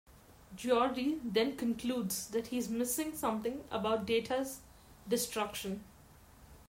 Geordi then concludes that he's missing something about Data's destruction.